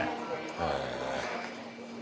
へえ。